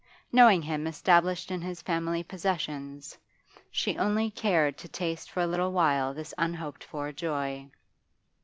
Knowing him established in his family possessions, she only cared to taste for a little while this unhoped for joy.